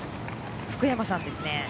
福山さんですね。